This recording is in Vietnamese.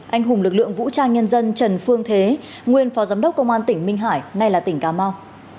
anh hùng lực lượng vũ trang nhân dân trần phương thế nguyên phó giám đốc công an tỉnh minh hải nay là tỉnh cà mau